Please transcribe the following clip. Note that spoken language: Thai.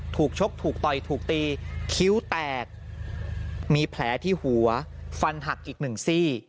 ชกถูกต่อยถูกตีคิ้วแตกมีแผลที่หัวฟันหักอีกหนึ่งซี่